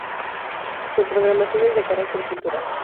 Su programación es de carácter cultural.